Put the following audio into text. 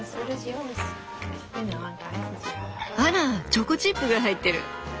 あらチョコチップが入ってる。